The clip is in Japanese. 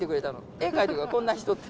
絵描いてくれて、こんな人って。